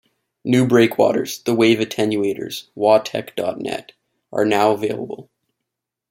New breakwaters, the wave attenuators - wawtech dot net - are now available.